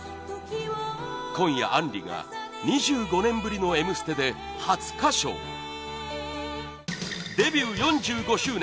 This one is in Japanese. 今夜、杏里が２５年ぶりの「Ｍステ」で初歌唱デビュー４５周年！